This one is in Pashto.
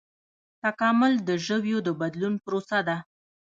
تکامل د ژویو د بدلون پروسه ده